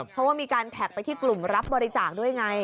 เพราะว่ามีการแท็กไปที่กลุ่มรับบริจาคด้วยไง